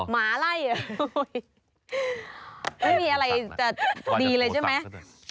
ไม่มีอะไรจะดีเลยใช่ไหม